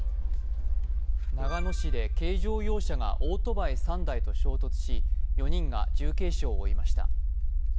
長野市で軽乗用車がオートバイ３台と衝突し４人が重軽傷を負いました。